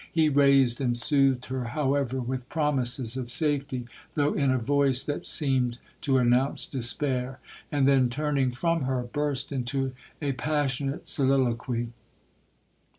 He raised and soothed her, however, with promises of safety, though in a voice that seemed to announce despair—and then turning from her, burst into a passionate soliloquy.